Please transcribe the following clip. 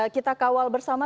kita kawal bersama